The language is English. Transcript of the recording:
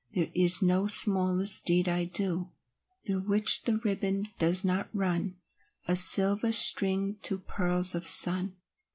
There is no smallest deed I do Through which the ribbon does not run, A silver string to pearls of sun.